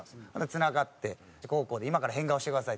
つながって「こうこうで今から変顔してください」。